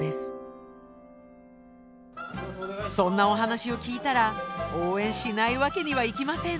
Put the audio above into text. そんなお話を聞いたら応援しないわけにはいきません！